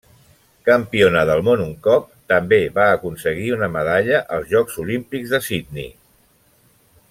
Campiona del món un cop, també va aconseguir una medalla als Jocs Olímpics de Sydney.